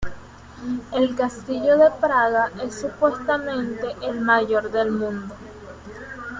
El Castillo de Praga es supuestamente el mayor del mundo.